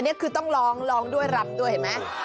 นี่คือต้องร้องร้องด้วยรับด้วยเห็นไหม